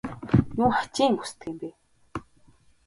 Юун хачин юм хүсдэг юм бэ?